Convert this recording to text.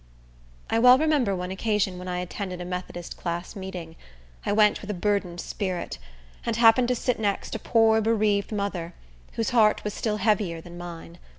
I well remember one occasion when I attended a Methodist class meeting. I went with a burdened spirit, and happened to sit next a poor, bereaved mother, whose heart was still heavier than mine.